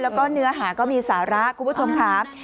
แล้วก็เนื้อหาก็มีสาระคุณผู้ชมครับ